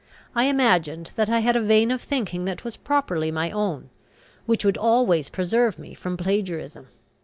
I imagined that I had a vein of thinking that was properly my own, which would always preserve me from plagiarism.